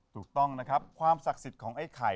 ถูกต้องนะครับความศักดิ์สิทธิ์ของไอ้ไข่